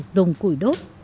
dùng củi đốt